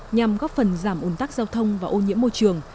nhằm góp phần giảm ồn tắc giao thông và ô nhiễm môi trường